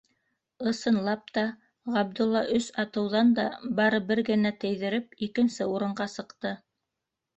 Ысынлап та, Ғабдулла, өс атыуҙан да бары бер генә тейҙереп, икенсе урынға сыҡты.